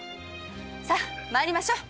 さっ参りましょう。